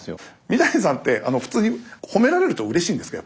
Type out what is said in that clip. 三谷さんってあの普通に褒められるとうれしいんですか？